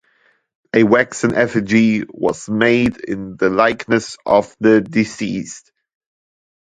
A waxen effigy was made in the likeness of the deceased.